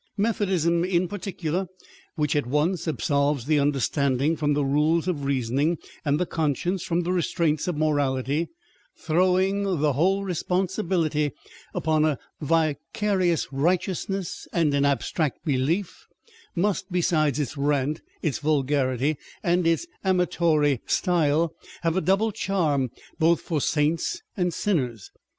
Methodism, in particular, which at once absolves the understanding from the rules of reasoning, and the conscience from the restraints of morality, throwing the whole responsibility upon a vicarious righteousness and an abstract belief, must, besides its rant, its vulgarity, and its amatory style, have a double charm both for saints and sinners.